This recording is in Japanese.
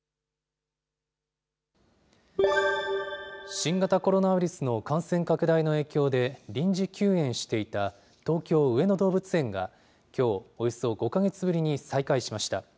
新型コロナウイルスの感染拡大の影響で、臨時休園していた東京・上野動物園がきょう、およそ５か月ぶりに再開しました。